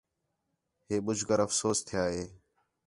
ہے ٻُجھ کر افسوس تھیا ہے